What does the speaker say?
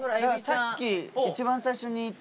さっき一番最初に行った。